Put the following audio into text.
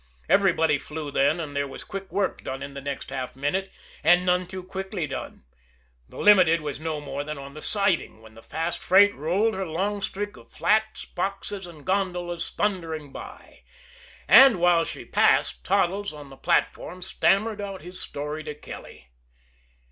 Everybody flew then, and there was quick work done in the next half minute and none too quickly done the Limited was no more than on the siding when the fast freight rolled her long string of flats, boxes and gondolas thundering by. And while she passed, Toddles, on the platform, stammered out his story to Kelly.